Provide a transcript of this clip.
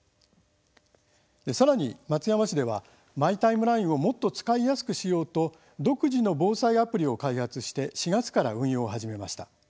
さらに松山市ではマイ・タイムラインをもっと使いやすくしようと独自の防災アプリを開発して４月から運用を始めました。